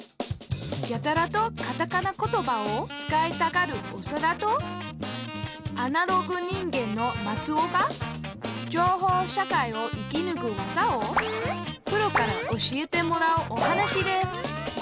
やたらとカタカナ言葉を使いたがるオサダとアナログ人間のマツオが情報社会を生きぬく技をプロから教えてもらうお話です